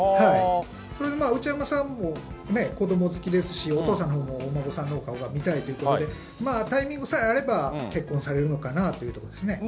それで内山さんも子ども好きですし、お父様もお孫さんのお顔が見たいということで、タイミングさえ合えば結婚されるのかなというところですね。